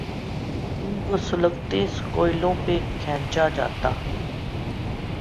ان کو سلگتے کوئلوں پہ کھینچا جاتا۔